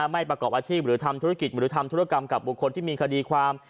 ไม่ประกอบอาชีพหรือทำธุรกิจหรือทำธุรกรรมกับบุคคลที่มีคดีความ